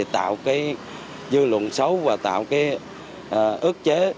tạo dư luận xấu và tạo ước chế